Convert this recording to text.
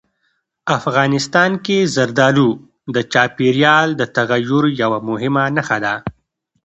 افغانستان کې زردالو د چاپېریال د تغیر یوه مهمه نښه ده.